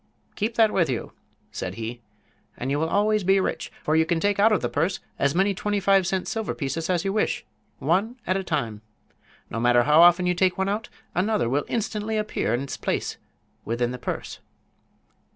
"Keep that with you," said he, "and you will always be rich, for you can take out of the purse as many twenty five cent silver pieces as you wish, one at a time. No matter how often you take one out, another will instantly appear in its place within the purse."